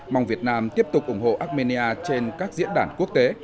mong việt nam tiếp tục ủng hộ armenia trên các diễn đàn quốc tế